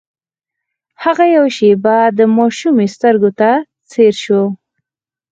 هغه يوه شېبه د ماشومې سترګو ته ځير شو.